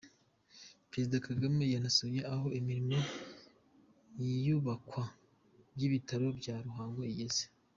Perezida Kagame yanasuye aho imirimo y’iyubakwa ry’ibitaro bya Ruhango igeze.